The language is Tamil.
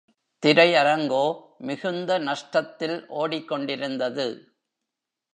திரை அரங்கோ மிகுந்த நஷ்டத்தில் ஒடிக் கொண்டிருந்தது.